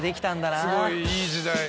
すごいいい時代。